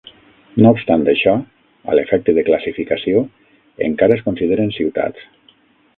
No obstant això, a l'efecte de classificació, encara es consideren ciutats.